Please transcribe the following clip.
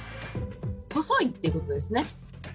細いっていうことですね。